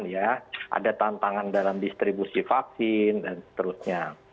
ada tantangan dalam distribusi vaksin dan seterusnya